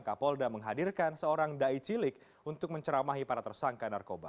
kapolda menghadirkan seorang dai cilik untuk menceramahi para tersangka narkoba